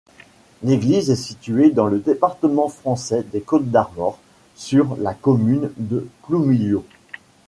L'église est située dans le département français des Côtes-d'Armor, sur la commune de Ploumilliau.